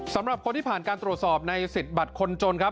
สำหรับคนที่ผ่านการตรวจสอบในสิทธิ์บัตรคนจนครับ